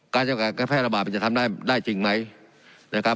การแพร่ระบาดมันจะทำได้จริงไหมนะครับ